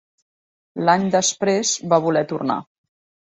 L'any després va voler tornar.